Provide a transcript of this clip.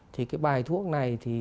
thì cái bài thuốc này thì